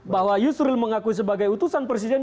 bahwa yusril mengakui sebagai utusan presiden